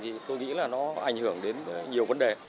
thì tôi nghĩ là nó ảnh hưởng đến nhiều vấn đề